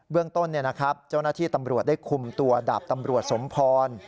เรื่องต้นเจ้าหน้าที่ตำรวจได้คุมตัวดาบตำรวจสมพร